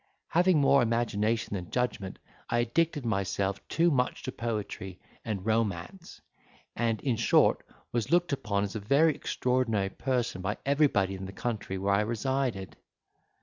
Having more imagination than judgment, I addicted myself too much to poetry and romance; and, in short, was looked upon as a very extraordinary person by everybody in the country where I resided.